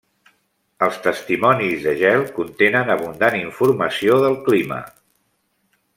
Els testimonis de gel contenen abundant informació del clima.